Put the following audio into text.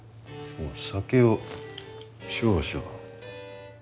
酒を少々。